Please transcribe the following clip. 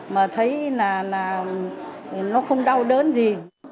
mà thấy là nó không đau đớn gì